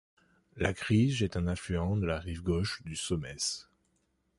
L'Agrij est un affluent de la rive gauche du Someș.